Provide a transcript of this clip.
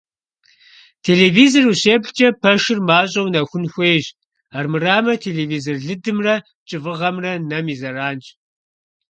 Телевизор ущеплъкӀэ пэшыр мащӀэу нэхун хуейщ, армырамэ телевизор лыдымрэ кӀыфӀыгъэмрэ нэм и зэранщ.